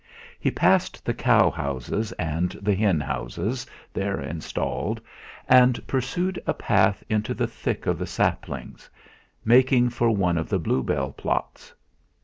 He passed the cow houses and the hen houses there installed, and pursued a path into the thick of the saplings, making for one of the bluebell plots.